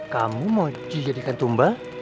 kamu mau dijadikan tumbang